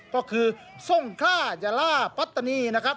ก็คือทรงค่ายาล่าปัตตานีนะครับ